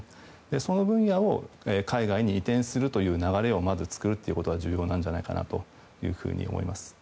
その分野を海外に移転するという流れをまず作ることが重要なんじゃないかなと思います。